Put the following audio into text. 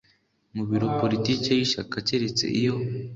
muri biro politiki y ishyaka keretse iyo